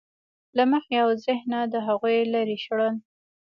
له مخې او ذهنه د هغوی لرې شړل.